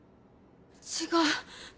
違う。